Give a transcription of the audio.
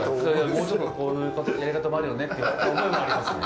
「もうちょっとこういうやり方もあるよね」って言われた覚えはありますね。